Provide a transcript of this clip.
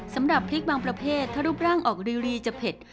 สำหรับพริกบางประเภทถ้ารูปร่างออกรีจะเผ็ด